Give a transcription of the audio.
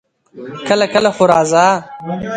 کله کله خو راځه!